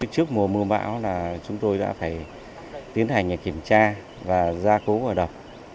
trước mùa mưa bão là chúng tôi đã phải tiến hành kiểm tra và ra cố và đập